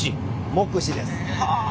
目視です。